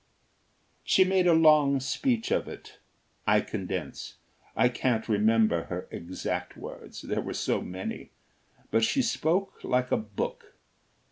She made a long speech of it; I condense. I can't remember her exact words there were so many; but she spoke like a book.